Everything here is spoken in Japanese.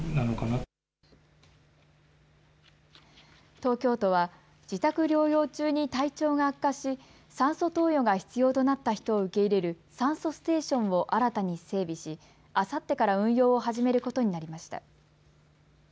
東京都は自宅療養中に体調が悪化し酸素投与が必要となった人を受け入れる酸素ステーションを新たに整備し、あさってから運用を始めることになりました。